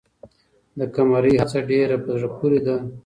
د قمرۍ هڅه ډېره په زړه پورې ده.